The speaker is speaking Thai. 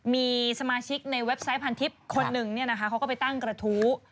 มีสมาชิกในเว็บไซต์พันทิพย์คนหนึ่งเขาก็ไปตั้งกระทู้